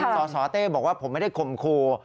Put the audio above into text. สสเต้บอกว่าผมไม่ได้คมครู